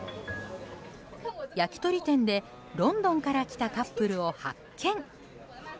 焼き鳥店で、ロンドンから来たカップルを発見。